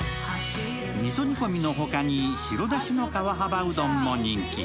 みそ煮込みのほかに白だしの川幅うどんも人気。